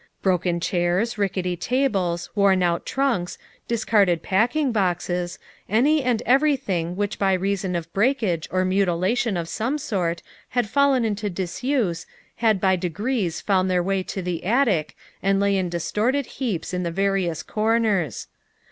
Broken chairs, rickety tables, worn out trunks, discarded packing boxes, any and every thing which by reason of breakage or mutilation of some sort had fallen into disuse had by de grees found their way to the attic and lay in distorted heaps in the various corners.